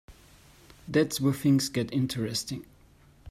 That's where things get interesting.